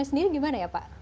sendiri gimana ya pak